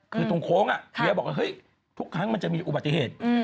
คือตรงโค้งเมียบอกว่าเฮ้ยทุกครั้งมันจะมีอุบัติเหตุ